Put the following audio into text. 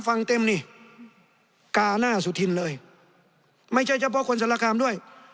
ฟังเต็มนี่กาหน้าสุธินเลยไม่ใช่เฉพาะคนสารคามด้วย